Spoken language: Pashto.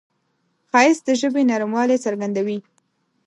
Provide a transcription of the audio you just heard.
ښایست د ژبې نرموالی څرګندوي